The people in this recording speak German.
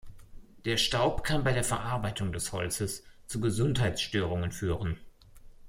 Der Staub kann bei der Verarbeitung des Holzes zu Gesundheitsstörungen führen.